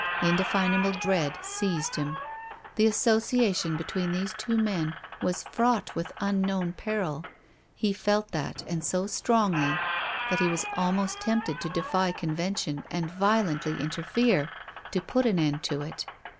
Indefinable dread seized him. The asso ciation between these two men was fraught with unknown peril. lie felt that, and so strongly, that he was almost tempted to defy convention and violently interfere to put an end to it.